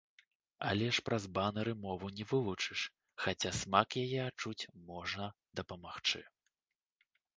Але ж праз банэры мову не вывучыш, хаця смак яе адчуць можна дапамагчы.